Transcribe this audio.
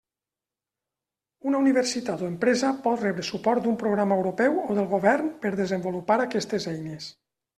Una universitat o empresa pot rebre suport d'un programa europeu o del Govern per desenvolupar aquestes eines.